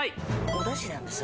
お出汁なんですよ